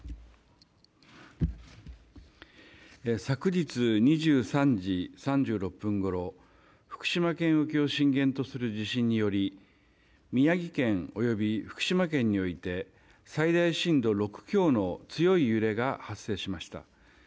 昨日２３時３６分ごろ福島県沖を震源とする地震により宮城県及び福島県において最大震度６強の強い揺れが発生しました。